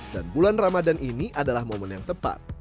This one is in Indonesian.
dan bulan ramadhan ini adalah momen yang tepat